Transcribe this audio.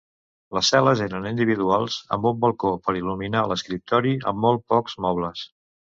Les cel·les eren individuals amb un balcó per il·luminar l'escriptori, amb molt pocs mobles.